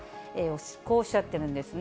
こうおっしゃってるんですね。